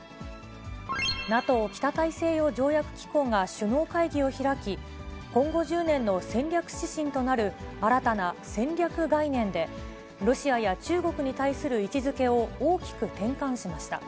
ＮＡＴＯ・北大西洋条約機構が首脳会議を開き、今後１０年の戦略指針となる新たな戦略概念で、ロシアや中国に対する位置づけを大きく転換しました。